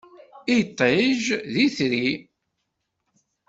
Iṭij, d itri.